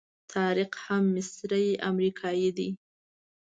طارق هم مصری امریکایي دی.